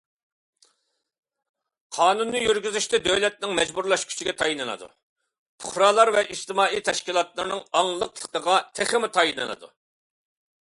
قانۇننى يۈرگۈزۈشتە دۆلەتنىڭ مەجبۇرلاش كۈچىگە تايىنىلىدۇ، پۇقرالار ۋە ئىجتىمائىي تەشكىلاتلارنىڭ ئاڭلىقلىقىغا تېخىمۇ تايىنىلىدۇ.